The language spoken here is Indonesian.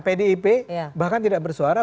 pdip bahkan tidak bersuara